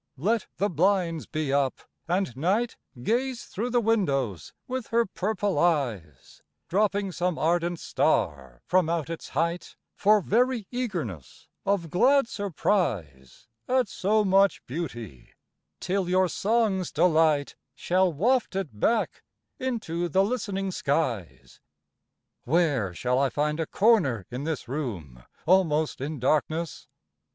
Let the blinds be up, and night Gaze through the windows with her purple eyes, Dropping some ardent star from out its height For very eagerness of glad surprise At so much beauty, till your song's delight Shall waft it back into the listening skies! III Where shall I find a corner in this room Almost in darkness?